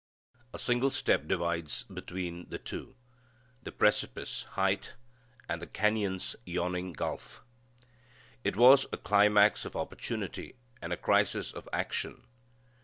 A single step divides between the two the precipice height, and the canon's yawning gulf. It was a climax of opportunity; and a crisis of action.